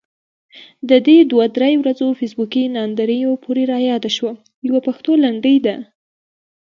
د دې دوه درې ورځو فیسبوکي ناندريو پورې رایاده شوه، يوه پښتو لنډۍ ده: